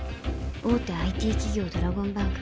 「大手ＩＴ企業ドラゴンバンクは」